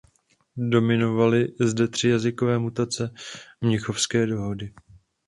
Dominovaly zde tři jazykové mutace mnichovské dohody.